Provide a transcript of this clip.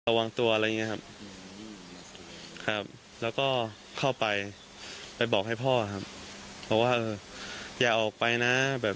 หลังจากนั้นเข้าไปบอกพ่อบอกว่าอย่าออกไปนะ